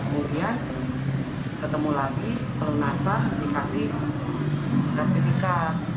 kemudian ketemu lagi belum nasab dikasih darpika